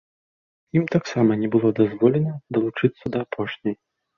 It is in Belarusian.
Ім таксама не было дазволена далучыцца да апошняй.